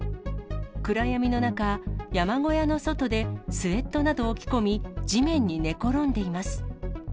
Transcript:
暗闇の中、山小屋の外でスウェットなどを着込み、地面に寝転んでいます。